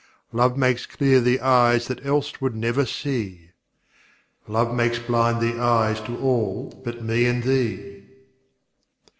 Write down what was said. Love makes clear the eyes that else would never see: "Love makes blind the eyes to all but me and thee."